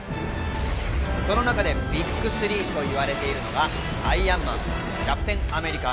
その中でビッグ３と言われているのがアイアンマン、キャプテン・アメリカ。